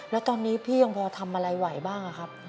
แล้วตอนนี้พี่ยังพอทำอะไรไหวบ้างครับ